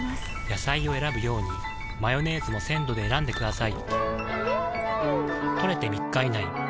野菜を選ぶようにマヨネーズも鮮度で選んでくださいん！